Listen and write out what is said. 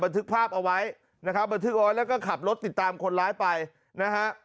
ทึกภาพเอาไว้นะครับบันทึกเอาไว้แล้วก็ขับรถติดตามคนร้ายไปนะฮะ